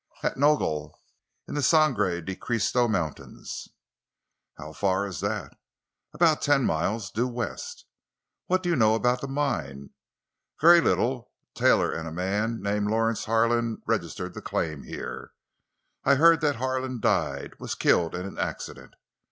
"At Nogel—in the Sangre de Christo Mountains." "How far is that?" "About ten miles—due west." "What do you know about the mine?" "Very little. Taylor and a man named Lawrence Harlan registered the claim here. I heard that Harlan died—was killed in an accident.